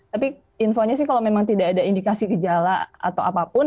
tapi infonya sih kalau memang tidak ada indikasi gejala atau apapun